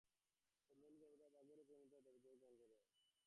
চন্দ্রলোকে দেবতাদের ভোগ্যরূপে পরিণত হইয়া দেবজন্ম গ্রহণ করে।